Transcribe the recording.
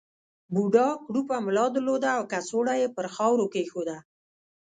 بوډا کړوپه ملا درلوده او کڅوړه یې پر خاورو کېښوده.